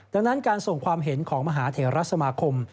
ดังนั้นการส่งความเห็นของมหาเทราสมาคม